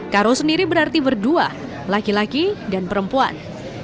karo sendiri berarti berdua laki laki dan perempuan